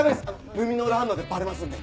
ルミノール反応でバレますんで。